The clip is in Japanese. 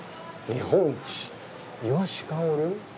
日本一、イワシ香る？